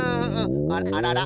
あららら？